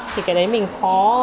thì cái đấy mình khó